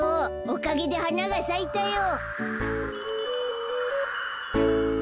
おかげではながさいたよ。